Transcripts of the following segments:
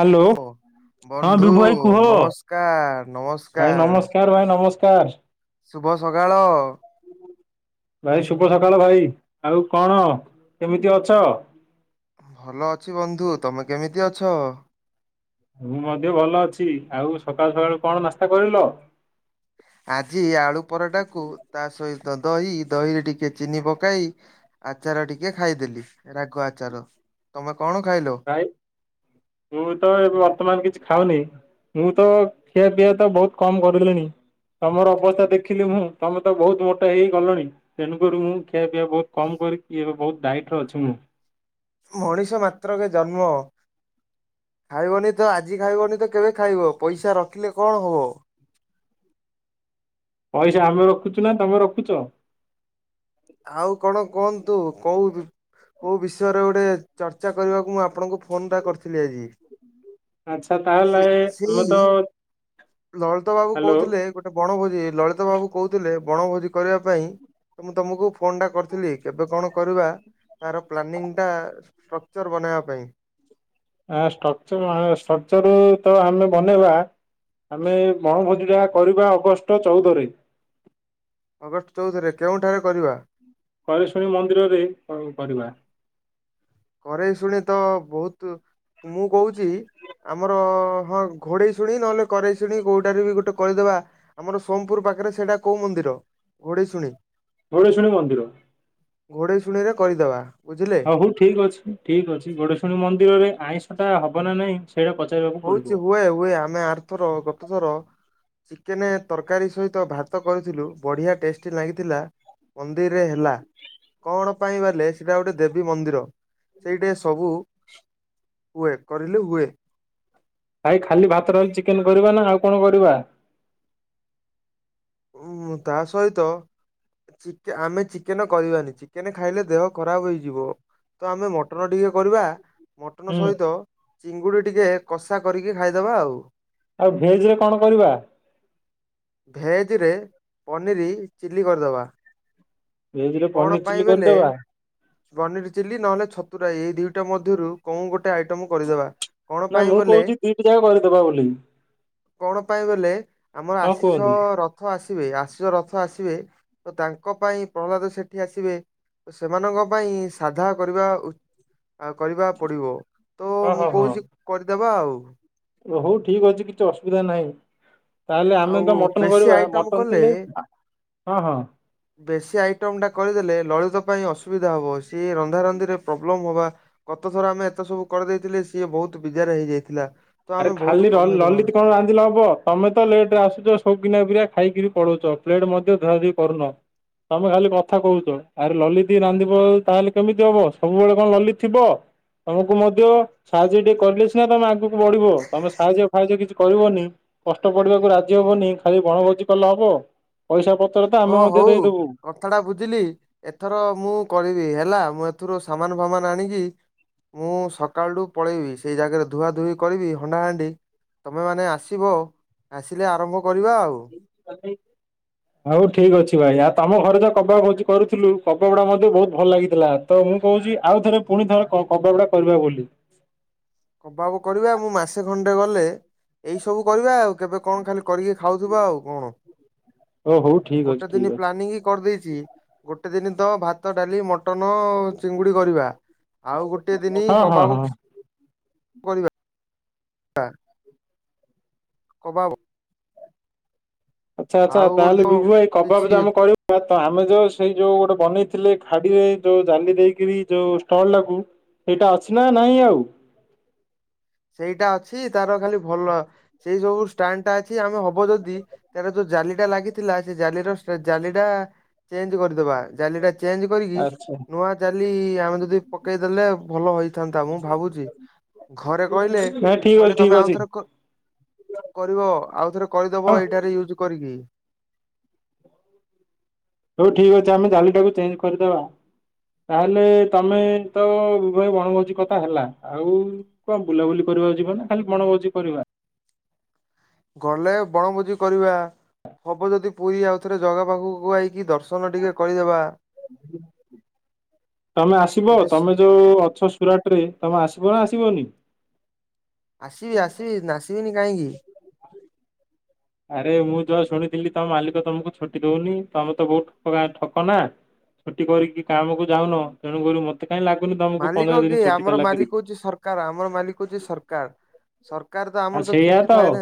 Hello ଓ ହଁ ବିଭୁ ବନ୍ଧୁ ଭାଇ କୁହ ନମସ୍କାର ଭାଇ ନମସ୍କାର। ନମସ୍କାରେ ଭାଇ ନମସ୍ କାର୍ ଶୁଭ ସକାଳ। ଭାଇ ଶୁଭ ସକାଳ ଭାଇ ଆଉ କଣ କେମିତି ଅଛ? ଭଲ ଅଛି ବନ୍ଧୁ ତମେ କେମିତି ଅଛ? ମୁଁ ମଧ୍ୟ ଭଲ ଅଛି ଆଉ ସକାଳୁ ସକାଳୁ କଣ ନାସ୍ତା କରିଲ? ଆଜି ଆଳୁ ପରଟାକୁ ତା ସହିତ ଦହି ଦହିରେ ଟିକେ ଚିନି ପକାଇ ଆଚାର ଟିକେ ଖାଇଦେଲି ରାଗ ଆଚାର ତମେ କଣ ଖାଇଲ? ଆଉ ମୁଁ ତ ଏବେ ବର୍ତ୍ତମାନେ କିଛି ଖାଇନାହିଁ। ମୁଁ ତ ଖିଆ ପିଇ ତ ବହୁତ କମ୍ କରିଦେଲିଣିି। ତମର ଅବସ୍ତା ଦେଖିଲି ମୁଁ ତମେ ତ ବହୁତ ମୋଟ ହେଇଗଲଣି। ତେଣୁକରି ମୁଁ ଖିଆ ପିଆ ବହୁତ୍ କମ କରିକି ଏବେ ବହୁତ୍ ଧାଇଟିର ଅଛି ମୁଁ। ମଣିଷ ମାତ୍ରକେ ଜନ୍ମ। ଆଉ ବନ୍ଧୁ ତମେ ଆଜି ଖାଇବନି ତ କେବେ ଖାଇବ ପଇସା ରଖିଲେ କଣ ହବ? ପଇସା ଆମେ ରଖୁଚୁ ନା ତମେ ରଖୁଚ? ଆଉ କଣ କୁହନ୍ତୁ କଉଚି? କୋଉ ବିଷୟରେ ଗୋଟେ ଚର୍ଚ୍ଚା କରିବାକୁ ମୁଁ ଆପଣଙ୍କୁ ଫୋନ୍ ଟା କରିଥିଲି ଆଜି। ଆଚ୍ଛା ତାହେଲେ ସେ ଆମେ ତ -ସେଇ ଲଳିତ ବାବୁ ହ୍ୟାଲୋ। କହୁଥିଲେ ଗୋଟେ ବଣଭୋଜି ଲଳିତ ବାବୁ କହୁଥିଲେ ବଣଭୋଜି କରିବା ପାଇଁ ମୁଁ ତମକୁ ଫୋନ୍ ଟା କରିଥିଲି କେବେ କଣ କରିବା ତାର ପ୍ଲାନିଂଟା ଷ୍ଟ୍ରକ୍ଚର ବନେଇବା ପାଇଁ। ଆ-ଷ୍ଟକଚର -ଷ୍ଟକଚର ତ ଆମେ ବନେଇବା। ଆମେ ବଣଭୋଜିଟା କରିବା ଅଗଷ୍ଟ ଚଉଦରେ। ଅଗଷ୍ଟ ଚଉଦରେ କେଉଁଠାରେ କରିବା? କରେ ସ୍ୱରୀ ମନ୍ଦିରରେ କନ୍ କରିବା। କରେଇ ଶୁଣି ତ ବହୁତୁ ମୁଁ କହୁଚି ଆମର ହଁ ଘୋଡ଼େଇ ଶୁଣି ନହେଲେ କରେଇ ଶୁଣି କଉଟାରେ ବି ଗୋଟେ କରିଦବା। ଆମର ସୋମପୁର୍ ପାଖରେ ସେଟା କଉ ମନ୍ଦିର ଘୋଡେଇ ଶୁଣି। ଘୋଡେ଼ଇ ଶୁଣି ମନ୍ଦିର। ଘୋଡ଼େଇଶୁଣି ରେ କରିଦବା ବୁଝିଲେ। ହଉ ହଉ ଠିକ୍ ଅଛି ଠିକ୍ ଅଛି ଘୋଡ଼େଇଶୁଣି ମନ୍ଦିରରେ ଆଇଁଷ ଟା ହବ ନା ନାଇଁ ସେଇଟା ପଚାରିବାକୁ ପଡିବ। ହୋଉଚି ହୁଏ ହୁଏ ଆମେ ଆର୍ ଥର ଗତ ଥର ଚିକେନେ ତରକାରୀ ସହିତ ଭାତ କରିଥିଲୁ ବଢ଼ିଆ ଟେଷ୍ଟି ଲାଗିଥିଲା। ମନ୍ଦିର୍ ରେ ହେଲା। କଣ ପାଇଁ ବେଲେ ସେଟା ଗୋଟେ ଦେବୀ ମନ୍ଦିର ସେଇଟେ ସବୁ ହୁଏ କରିଲେ ହୁଏ। ଭାଇ ଖାଲି ଭାତ, ଡାଲି, ଚିକେନେ କରିବା ନା ଆଉ କଣ କରିବା? ଉଁ ତା ସହିତ ଚିକେ-ଆମେ ଚିକେନ କରିବାନି ଚିକେନେ ଖାଇଲେ ଦେହ ଖରାପ୍ ହୋଇଯିବ। ତ ଆମେ ମଟନ୍ ଟିକେ କରିବା। ମଟନ୍ ହୁଁ ସହିତ ଚିଙ୍ଗୁଡ଼ି ଟିକେ କଷା କରିକି ଖାଇଦବା ଆଉ। ଆଉ ଭେଜ୍ ରେ କଣ କରିବା? ଭେଜ୍ ରେ ପନିର୍ ଚିଲ୍ଲି କରିଦବା। ଭେଜ ରେ କଣ ପନିର ଚିଲି ପାଇଁ ବେଲେ କରିଦବା ପନିର୍ ଚିଲ୍ଲୀ ନହେଲେ ଛତୁ ରାଇ ଏଇ ଦୁଇଟା ମଧ୍ୟରୁ କୋଉ ଗୋଟେ ଆଇଟମ୍ କରିଦବା। ନା ମୁଁ କହୁଚି ଦିଟି ଯାକ କରିଦବା ବୋଲି। କଣ ପାଇଁ ଗଲେ ଆମର ହଁ ଆଶିଷ କୁହନ୍ତୁ ର ରଥ ଆସିବେ ଆସୁ ରଥ ଆସିବେ ତ ତାଙ୍କ ପାଇଁ ପ୍ରହ୍ଲାଦ ସେଠି ଆସିବେ ସେମାନଙ୍କ ପାଇଁ ସାଧା କରିବା ଉ ଆଉ କରିବା ପଡିବ ତ ହଁ ମୁଁ କହୁଚି କରିଦବା ଆଉ। ହୋଉ ଠିକ୍ ଅଛି କିଛି ଅସୁବିଧା ନାଇଁ। ତାହେଲେ ଆମେ ଆଉ ତ ମଟନ୍ ବେଶୀ କରିବା ଆଇଟମ ମଟନ୍ କଲେ କିଲେ ହଁ- ହଁ। ବେଶୀ ଆଇଟମ୍ ଟା କରିଦେଲେ ଲଳିତ ପାଇଁ ଅସୁବିଧା ହବ ସିଏ ରନ୍ଧାରନ୍ଧିରେ ପ୍ରୋବ୍ଲେମ୍ ହବା। ଗତ ଥର ଆମେ ଏତେ ସବୁ କରିଦେଇଥିଲେ ସିଏ ବହୁତ୍ ବିଜାରେ ହେଇଯାଇଥିଲା। ତ ଆରେ ଆମେ ବହୁତ ଖାଲି ଲ- କମେଇଦବା। ଲଲିତ କଣ ରାନ୍ଧିଲେ ହବ। ତମେ ତ ଲେଟ୍ ରେ ଆସୁଚ ସଉକିନିଆ ପିଲା ଖାଇକିରି ପଳଉଚ ପ୍ଲେଟ୍ ମଧ୍ୟ ଧୁଆ ଧୁଇ କରୁନ। ତମେ ଖାଲି କଥା କହୁଚ ଆରେ ଲଲିତି ରାନ୍ଧିବ ତାହେଲେ କେମିତି ହବ ସବୁବେଳେ କଣ ଲଲିତି ଥିବ। ତମକୁ ମଧ୍ୟ ସାହାଯ୍ୟ ଟିକେ କଲେ ସିନା ତମେ ଆଗକୁ ବଢିବ ତମେ ସାହାଯ୍ୟ ଫାହାଯ୍ୟ କିଛି କରିବନି। କଷ୍ଟ ପଡିବାକୁ ରାଜି ହବନି ଖାଲି ବଣଭୋଜି କଲେ ହବ। ପଇସା ପତ୍ର ତା ହଁ ହୋଉ କ କଥାଟା ବୁଝିଲି ଏଥର ମୁଁ କରିବି ହେଲା ମୁଁ ଏଥିରୁ ସାମାନ୍ ଫାମାନ୍ ଆଣିକି ମୁଁ ସକାଳଠୁ ପଳେଇବି ସେଇ ଜାଗାରେ ଧୁଆ ଧୁଇ କରିବି ହଣ୍ଡା ହାଣ୍ଡି। ତମେ ମାନେ ଆସିବ ଆସିଲେ ଆରମ୍ଭ କରିବା ଆଉ। [unintelligible] ଆଉ ଠିକ୍ ଅଛି ଭାଇ ଆଉ ତମ ଘରେ ଯ କବା ଖ କରୁଥିଲୁ କବ ଗୁଡାକ ମଧ୍ୟ ବହୁତ ଭଲ ଲାଗିଥିଲା। ତ ମୁଁ କହୁଛି ଆଉ ଥରେ ପୁଣି ଥରେ କଦଳିଟା କରିବା ବୋଲି। ଅଭାବ କରିବେ ମୁଁ ମାସେ ଖଣ୍ଡେ ଗଲେ ଏଇ ସବୁ କରିବା ଆଉ କେବେ କଣ ଖାଲି କରିକି ଖାଉଥିବା ଆଉ କଣ। ଓ ହଉ ଠିକ ଅଛି ଗୋଟେ ଦିନି ଠିକ ଅଛି ପ୍ଲାନିଂ କରିଦେଇଛି ଗୋଟେ ଦିନ ତ ଭାତ ଡାଲି ମଟନ ଚିଙ୍ଗୁଡ଼ି କରିବା। ଆଉ ଗୋଟେ ଦିନି ହଁ ହଁ କବାବ ହଁ କରିବା। ଆ। କବାବ? ଆଚ୍ଛା ଆଚ୍ଛା ଆଉ ଗୋଟେ ତାହେଲେ ଦିନ ବିଭୁ ଭାଇ କବାବ ଯୋଉ କିଛି ଆମେ କରିବୁ ତା ତ ଆମେ ଯୋଉ ସେଇ ଯୋଉ ଗୋଟେ ବନେଇଥିଲେ ଖାଡିରେ ଯୋଉ ଜାଲି ଦେଇକିରି ଯୋଉ ଷ୍ଟଲ୍ ଟାକୁ ସେଇଟା ଅଛି ନାଁ ନାହିଁ ଆଉ? ସେଇଟା ଅଛି ତାର ଖାଲି ଭଲ ସେଇ ସବୁ ଷ୍ଟାଣ୍ଡଟା ଅଛି ଆମେ ହବ ଯଦି ତାର ଯୋଉ ଜାଲିଟା ଲାଗିଥିଲା ସେ ଜାଲିର ସେ ଜାଲି ଟା ଚେଞ୍ଜ୍ କରିଦବା ଜାଲିଟା ଚେଞ୍ଜ୍ କରିକି ଆଚ୍ଛା ନୂଆ ଜାଲି ଆମେ ଯଦି ପକେଇଦେଲେ ଭଲ ହେଇ ଥାନ୍ତା ମୁଁ ଭାବୁଛି ଘରେ କହିଲେ ନାଇଁ ଠିକ କହିଲେ ଅଛି ତମେ ଠିକ ଆଉ ଅଛି ଥରେ କ କରିବ ଆଉ ଥରେ କରିଦବ ହଁ ଏଇଟାରେ ୟୁଜ୍ କରିକି। ହଉ ଠିକ୍ ଅଛି ଆମେ ଜାଲିଟାକୁ ଚେଞ୍ଜ୍ କରିଦେବା। ତାହେଲେ ତମେ ତ ଉଭୟ ବଣଭୋଜି କଥା ହେଲା ଆଉ କଣ ବୁଲାବୁଲି କରିବାକୁ ଯିବା ନା କାଲି ବଣ ଭୋଜି କରିବା? ଗଲେ ବଣଭୋଜି କରିବା ହବ ଯଦି ପୁରୀ ଆଉ ଥରେ ଜଗା ପାଖକୁ ଯାଇକି ଦର୍ଶନ ଟିକେ କରିଦେବା। [inaudible] ତମେ ଆସିବ ଯଦି ସ- ତମେ ଯୋଉ ଅଛ ସୁରାଟରେ ତମେ ଆସିବ ନାଁ ଆସିବନି? ଆସିବି ଆସିବି ନା ଆସିବିନି କାହିଁକି। ଆରେ ମୁଁ ଯାହା ଶୁଣିଥିଲି ତମ ମାଲିକ ତମକୁ ଛୁଟି ଦଉନି ତମେ ତ ବହୁତ ପୁରା ଠକ ନା। ଛୁଟି କରିକି କାମକୁ ଯାଉନ। ତେଣୁକରି ମତେ କାହିଁ ଲାଗୁନି ତମକୁ ପନ୍ଦର ମାଲିକ ଦିନ କିଏ ଛୁଟି ଆମର ଦେଲା ପରି ମାଲିକ ହଉଛି ସରକାର ଆମର ମାଲିକ ହଉଛି ସରକାର। ସରକାର ତ ଆଉ ଆମର ତ ସେଇଆ ଛୁଟି ଥାଏ ନା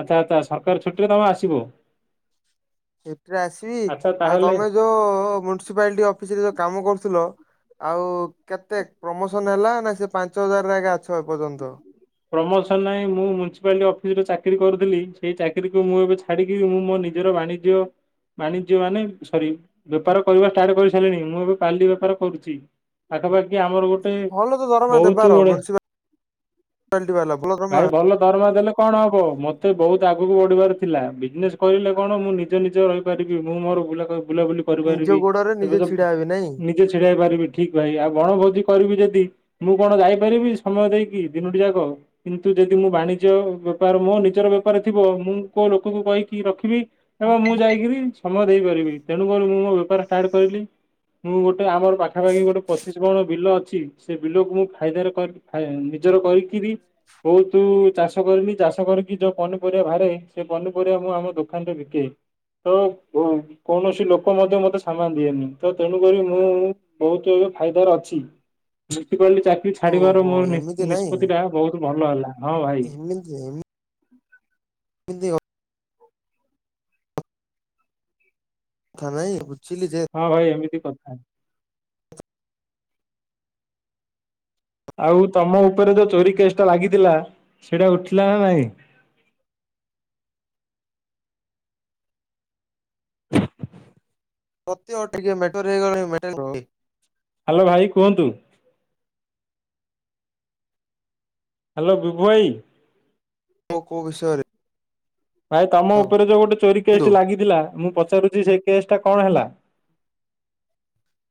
ଆଚ୍ଛା ଆଚ୍ଛା ସରକାର ଛୁଟିରେ ତମେ ଆସିବ? ଛୁଟିରେ ଆସିବି ଆଚ୍ଛା ଆଉ ତାହେଲେ ତମେ ଯୋଉ ମୁନିସିପାଲର୍ଟି ଅଫିସ୍ ରେ ଯୋଉ କାମ କରୁଥିଲ ଆଉ କେତେ ପ୍ରମୋସନ୍ ହେଲା ନାଁ ସେ ପାଞ୍ଚ ହଜାରରେ ଏବେ ଅଛ ଏପର୍ଯ୍ୟନ୍ତ? ପ୍ରମୋସନ୍ ନାହିଁ ମୁଁ ମୁନିସିପାଲିର୍ଟି ଅଫିସ୍ ରେ ଚାକିରି କରୁଥିଲି ସେଇ ଚାକିରୀକୁ ମୁଁ ଏବେ ଛା ଛାଡିକି ମୁଁ ମୋ ନିଜର ବାଣିଜ୍ୟ ବାଣିଜ୍ୟ ମାନେ ସରି ବେପାର କରିବା ଷ୍ଟାର୍ଟ କରି ସାରିଲିଣି ମୁଁ ଏବେ କଲି ବେପାର କରୁଛି। ପାଖାପାଖି ଆମର ଗୋଟେ ଭଲ ତ ଦରମା ବହୁତ ଗୁଡେ ବାଲ୍ଟି ବାହାରିଲା ଭଲ ଘ ଭାଇ ଭଲ ଦରମା ଦେଲେ କଣ ହବ ମତେ ବହୁତ ଆଗକୁ ବଢିବାର ଥିଲା ବିଜନେସ୍ କରିଲେ କଣ ମୁଁ ନିଜ ନିଜର କରିବି ମୁଁ ମୋର ବୁଲା କ ବୁଲାବୁଲି ନିଜ କରିପାରିବି ଗୋଡରେ ଏବେ ନିଜେ ତ ଛିଡା ନି ହେବି ନାଇଁ। ନିଜେ ଛିଡା ହେଇ ପାରିବି ଠିକ୍ ଭାଇ ଆଉ ବଣଭୋଜି କରିବି ଯେଦି ମୁଁ କଣ ଯାଇପାରିବି ସମୟ ଦେଇକି। ତିନୋଟି ଯାକ କିନ୍ତୁ ଯଦି ମୁଁ ବାଣିଜ୍ୟ ବେପାର ମୋ ନିଜର ବେପାର ଥିବ ମୁଁ କୋଉ ଲୋକଙ୍କୁ କହିକି ରଖିବି ଏବଂ ମୁଁ ଯାଇକିରି ସମୟ ଦେଇପାରିବି ତେଣୁକରି ମୁଁ ମୋ ବେପାର ଷ୍ଟାର୍ଟ କରିଲି ମୁଁ ଗୋଟେ ଆମର ପାଖାପାଖି ଗୋଟେ ପଚିଶି ମାଣ ବିଲ ଅଛି ସେ ବିଲକୁ ମୁଁ ଫାଇଦାରେ କରିବି। ଫାଇନା ନିଜର କରିକି ବି ବହୁତୁ ଚାଷ କରିବି ଚାଷ କରିକି ଯୋଉ ପନିପରିବା ବାହାରେ ସେ ପନିପରିବା ମୁଁ ଆମ ଦୋକାନ ରେ ବିକେ। ତ କୋ କୌଣସି ଲୋକ ମଧ୍ୟ ମତେ ସାମାନ ଦିଏନି ତ ତେଣୁକରି ମୁଁ ବହୁତ ଏବେ ଫାଇଦାରେ ଅଛିି ସେଥିପାଇଁ ଚାରି ଚାକିରି ଛାଡିବାର ଓହୋ ମୋର ଏମିତି ନିପ୍ ନାଇଁ ନିଷ୍ପତ୍ତିଟା ବହୁତ ଭଲ ହେଲା। ହଁ ଭାଇ ଏମିତି ଏମିତି [unintelligible] କଥା ନାଇଁ ବୁଝିଲି ଯେ ହଁ ଭାଇ ଏମିତି କଥା। ଆଉ ତମ ଉପରେ ଯୋଉ ଚୋରି କେଶ୍ ଟା ଲାଗିଥିଲା ସେଇଟା ଉଠିଲା ନା ନାହିଁ? [inaudible] [unintelligible] ହାଲୋ ଭାଇ କୁହନ୍ତୁ। ହାଲୋ ବିଭୁ ଭାଇ ମୁଁ କୋଉ ବିଷୟରେ ଭାଇ ତମ ହଉ ଉପରେ ଯୋଉ ଗୋଟେ ଚୋରି କେଶ୍ ବନ୍ଧୁ। ଟି ଲାଗିଥିଲା ମୁଁ ପଚାରୁଛି ସେ କେଶ୍ ଟା କଣ ହେଲା?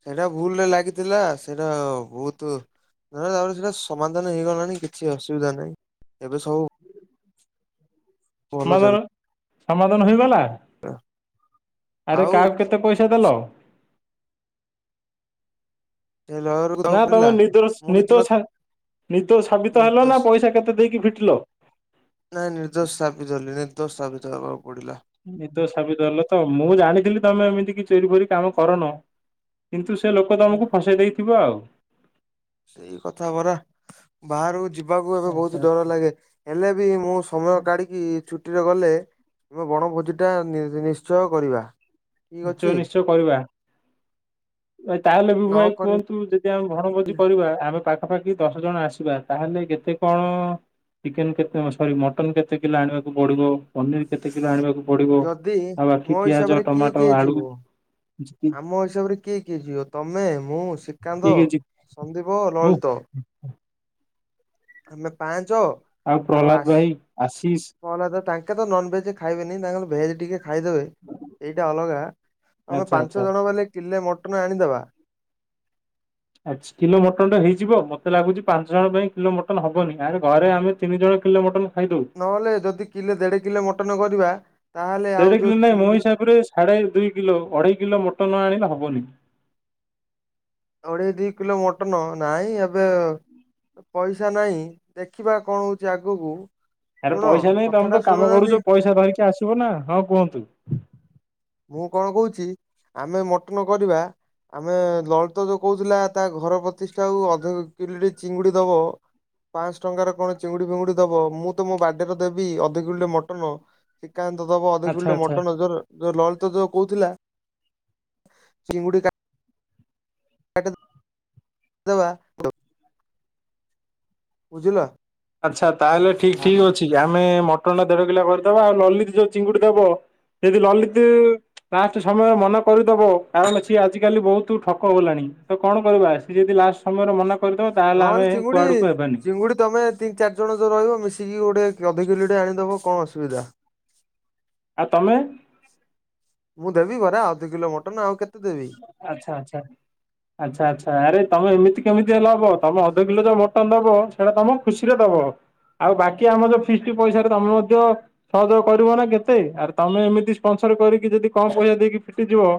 ସେଇଟା ଭୁଲରେ ଲାଗିଥିଲା ସେଇଟା ବହୁତ ନା ତାପରେ ସେଇଟା ସମାଧାନ ହେଇଗଲାଣି କିଛି ଅସୁବିଧା ନାହିଁ ଏବେ ସବୁ ଭଲ ସମାଧାନ ଚାଲିଥିଲା ସମାଧାନ ହେଇଗଲା? ଆରେ ଆଉ କାହାକୁ କେତେ ପଇସା ଦେଲ? ସେ ଲୟରକୁ ନା ଦବାକୁ ତମେ ପଡିଲା। ନିଦୋଷ ମୁଁ କିଛି ନିଦ ନ ଛା ନିଦୋଷ ସାବିତ ହେଲ ନା ନିର୍ଦ୍ଦୋଷ ପଇସା କେତେ ଦେଇକି ଫିଟିଲ? ନାଇଁ ନିର୍ଦୋଷ ସାବିତ ହେଲି ନିର୍ଦୋଷ ସାବିତ ହେବାକୁ ପଡିଲା। ନିର୍ଦ୍ଦୋଷ ସାବିତ ହେଲ ତ ମୁଁ ଜାଣିଥିଲି ତମେ ଏମିତି କିଛି ଚୋରି ଫୋରି କାମ କରୁନ। କିନ୍ତୁ ସେ ଲୋକ ତମକୁ ଫସେଇ ଦେଇଥିବ ଆଉ। ସେଇ କଥା ପରା ବାହାରକୁ ଯିବାକୁ ଏବେ ଆଚ୍ଛା ବହୁତ ଆଚ୍ଛା ଡର ଲାଗେ। ହେଲେ ବି ମୁଁ ସମୟ କାଢ଼ିକି ଛୁଟିରେ ଗଲେ ତୁମ ବଣଭୋଜିଟା ନି ନିଶ୍ଚୟ କରିବା। ଠିକ ଅଛି ନିଶ୍ଚୟ ନିଶ୍ଚୟ କରିବା ଭାଇ ତାହେଲେ ନ ବିଭୁ ଭାଇ କରି କୁହନ୍ତୁ ଯେ ଯଦି ଆମେ ବଣଭୋଜି କରିବା ଆମେ ପାଖାପାଖି ଦଶ ଜଣ ଆସିବା ତାହେଲେ କେତେ କଣ ଚିକେନ୍ କେତେ ସରି ମଟନ୍ କେତେ କିଲୋ ଆଣିବାକୁ ପଡିବ ପନିର କେତେ କିଲୋ ଆଣିବାକୁ ପଡ଼ିବ ଯଦି ଆଉ ମୋ ବାକି ପିଆଜ ହିସାବରେ କିଏ ଟମାଟ୍ କିଏ ଯିବ? ଆମ ହିସାବରେ କିଏ କିଏ ଯିବ ତମେ ମୁଁ ଠିକ ଶ୍ରୀକାନ୍ତ, ଅଛି ସନ୍ଦୀପ, ମୁଁ ଲଳିତ ଆମେ ପାଞ୍ଚ ଆଉ ପ୍ରହ୍ଲାଦ ଭାଇ ଆଶିଷ ପ୍ରହଲ୍ଲାଦ ତ ତାଙ୍କେ ତ ନନ୍ ଭେଜ୍ ଖାଇବେନି ତାଙ୍କର ଭେଜ୍ ଟିକେ ଖାଇଦେବେ। ଏଇଟା ଅଲଗା ଆମେ ଆଚ୍ଛା ପାଞ୍ଚ ଆଚ୍ଛା ଜଣ ବଲେ କିଲେ ମଟନ ଆଣିଦବା ପାଞ୍ଚ କିଲୋ ମଟନ୍ ଟା ହେଇଯିବ ମତେ ଲାଗୁଛି ପାଞ୍ଚ ଜଣ ପାଇଁ କିଲୋ ମଟନ ହବନି ଆରେ ଘରେ ଆମେ ତିନି ଜଣ କିଲେ ମଟନ୍ ନହେଲେ ଯଦି କିଲେ ଦେଢ଼ କିଲେ ମଟନ୍ କରିବା ତାହେଲେ ଆଉ ଯୋଉ ଚିଙ୍ଗୁଡ଼ି ସାଢ଼େ ଦୁଇ କିଲୋ ଅଢ଼େଇ କିଲୋ ମଟନ ଆଣିଲେ ହବନି। ଅଢ଼େଇ ଦି କିଲୋ ମଟନ ନାଇଁ ଏବେ ପଇସା ନାହିଁ ଦେଖିବା କଣ ହଉଛି ଆଗକୁ। ଆରେ ଶୁଣ ପଇସା ନାଇଁ ତମେ କଥାଟା ତ କାମ ଶୁଣୁନାହାନ୍ତି। କରୁଛ ପଇସା ଧରିକି ଆସିବ ନା ହଁ କୁହନ୍ତୁ। ମୁଁ କଣ କହୁଛି ଆମେ ମଟନ କରିବା ଆମେ ଲଳିତ ଯୋଉ କହୁଥିଲା ତା ଘର ପ୍ରତିଷ୍ଠା ଆଉ ଅଧ କିଲେ ଚିଙ୍ଗୁଡ଼ି ଦବ ପାଆଁଶଟଙ୍କାରେ କଣ ଚିଙ୍ଗୁଡ଼ି ଫିଙ୍ଗୁଡ଼ି ଦବ ମୁଁ ତ ମୋ ବାଡେରେ ଦେବି ଅଧକିଲୋଟେ ମଟନ। ଶିକାନ୍ତ ଦବ ଆଚ୍ଛା ଅଧକିଲୋଟେ ଆଚ୍ଛା। ମଟନ ଧର ଯୋଉ ଲଳିତ ଯୋଉ କହୁଥିଲା। ଚିଙ୍ଗୁଡି କା [inaudible] ଦବା। ବୁଝିଲ? ଆଚ୍ଛା ତାହେଲେ ଠିକ ଠିକ ଅଛି। ଆମେ ମଟନଟା ଦେଢକିଲୋ କରିଦବା। ଆଉ ଲଲିତ ଯୋଉ ଚିଙ୍ଗୁଡ଼ି ଦବ। କିନ୍ତୁ ଲଲିତି ଲାଷ୍ଟ ସମୟ ମନେ କରିଦବ। କାରଣ ସିଏ ଆଜିକାଲି ବହୁତ ଠକ ଗଲାଣି ତ କଣ କରିବା ସିଏ ଯଦି ଲାଷ୍ଟ ସମୟରେ ମନା କରିଦବ ତାହେଲେ ଆମେ କୁଆଡ଼କୁ ହେବାନି। ଚୁଙ୍ଗୁଡ଼ି ତମେ ତିନି ଚାରିଜଣ ଯୋଉ ରହିବ ମିଶିକି ଗୋଟେ ଅଧକିଲୋଟେ ଆଣିଦବ କଣ ଅସୁବିଧା। ଆଉ ତମେ? ମୁଁ ଦେବି ପରା ଅଧେକିଲୋ ମଟନ ଆଉ କେତେ ଦେବି? ଆଚ୍ଛା ଆଚ୍ଛା। ଆଚ୍ଛା ଆଚ୍ଛା ଆରେ ତମେ ଏମିତି କେମିତି ହେଲେ ହବ। ତମେ ଅଧକିଲୋ ଯୋଉ ମଟନ ଦବ। ସେଇଟା ତମ ଖୁସିରେ ଦବ। ଆଉ ବାକି ଆମ ଯୋଉ ଫିଷ୍ଟ ପଇସାଟା ତମେ ମଧ୍ୟ ସହଯୋଗ କରିବ ନା କେତେ। ଆରେ ତମେ ଏମିତି ସ୍ପନ୍ସର କରିକି ଯଦି କମ ପଇସା ଦେଇକି ଫିଟିଯିବ।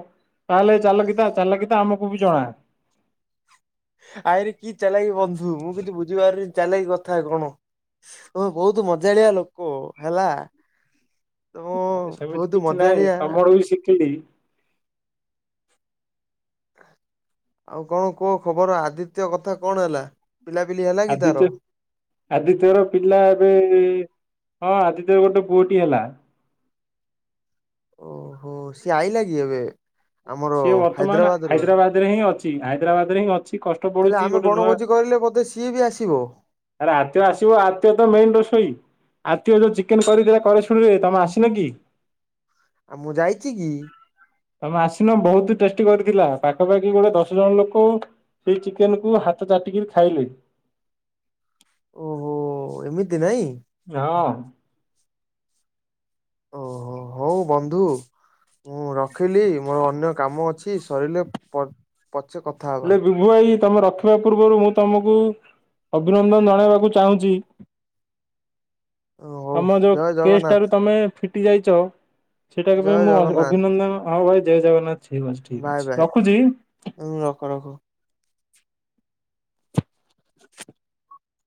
ତାହେଲେ ଚାଲକିତା ଚାଲକିତା ଆମକୁ ବି ଜଣା। ଆଇରେ କି ଚାଲାଇକି ବନ୍ଧୁ? ମୁଁ କିଛି ବୁଝିପାରୁନି ଚାଲାକି କଥା କଣ? ତମେ ବହୁତ ମଜାଳିଆ ଲୋକ ହେଲା। ତମ ଭଉତୁ ମଜାଳିଆ। ମୁବି ଶିଖିଲି। ଆଉ କଣ କୁହ ଖବର? ଆଦିତ୍ୟ କଥା କଣ ହେଲା। ପିଲାପିଲି ହେଲା କି ତାର? ଆଦିତ୍ୟ ଆଦିତ୍ୟର ପିଲା ଏବେ ହଁ ଆଦିତ୍ୟର ଗୋଟେ ପୁଅଟିଏ ହେଲା। ଓହୋ ସିଏ ଆଇଲା କି ଏବେ? ଆମର ସିଏ ବର୍ତ୍ତମାନ ହାଇଦ୍ରାବାଦ ରୁ। ହାଇଦ୍ରାବାଦରେ ହିଁ ଅଛି ହାଇଦ୍ରାବାଦରେ ହିଁ ଅଛି କଷ୍ଟ ହେଲେ ପଡୁଛି ଆମେ ଗୋଟେ ବଣ ନୂଆ ଭୋଜି କରିଲେ ବୋଧେ ସିଏ ବି ଆସିବ। ଆରେ ଆଦିତ୍ୟ ଆସିବ ଆଦିତ୍ୟ ତ ମେନ ରୋଷେଇ। ଆଦିତ୍ୟ ଠୁ ଚିକେନ କରି କରି କରା ଶୁଣିବ ତମେ ଆସିନ କି? ଆଉ ମୁଁ ଯାଇଛି କି? ତମେ ଆସିନ ବହୁତ ଟେଷ୍ଟ କରିଥିଲା। ପାଖାପାଖି ଗୋଟେ ଦଶ ଜଣ ଲୋକ ସେଇ ଚିକେନ କୁ ହାତ ଚାଟିକିରି ଖାଇଲେ। ଓହୋ ଏମିତି ନାଇଁ? ହଁ। ଓହୋ ହଉ ବନ୍ଧୁ ମୁଁ ରଖିଲି ମୋର ଅନ୍ୟ କାମ ଅଛି। ସରିଲେ ପ ପଛେ କଥା ହେବା। ମୁଁ ଏଇ ତମେ ରଖିବା ପୂର୍ବରୁ ମୁଁ ତମକୁ ଅଭିନନ୍ଦନ ଜଣେଇବାକୁ ଚାହୁଁଛି। ହଉ ତମ ଯୋଉ ଜୟ ଜଗନ୍ନାଥ କେସଟାରୁ ତମେ ଫି ଟି ଯାଇଛ ସେଟା ଏବେ ଜୟ ମୁଁ ଜଗନ୍ନାଥ ଅଭିନନ୍ଦନ ହଉ ଭାଇ ଜୟ ଜଗନ୍ନାଥ। ଠିକ ଅଛି ଠିକ ବାଏ ଅଛି ବାଏ ରଖୁଛି। ତୁମେ ରଖ ରଖ।